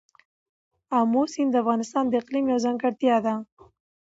آمو سیند د افغانستان د اقلیم یوه ځانګړتیا ده.